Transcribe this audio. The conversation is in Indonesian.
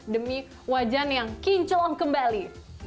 demi wajan yang kinclong kembali